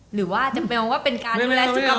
หรือว่าจะมองว่าเป็นการดูแลสุขภาพ